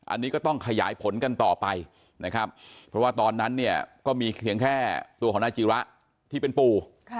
อันนี้ก็ต้องขยายผลกันต่อไปนะครับเพราะว่าตอนนั้นเนี่ยก็มีเพียงแค่ตัวของนายจีระที่เป็นปู่